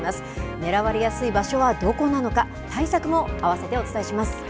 ねらわれやすい場所はどこなのか対策を合わせてお伝えします。